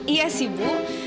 iya sih bu